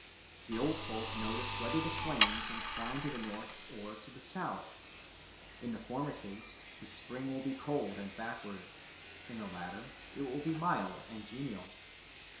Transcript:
The old folk notice whether the flames incline to the north or to the south. In the former case, the spring will be cold and backward; in the latter, it will be mild and genial.